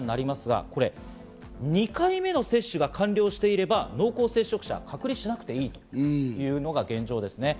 イギリスは２回目の接種が完了していれば濃厚接触者、隔離しなくていいというのが現状です。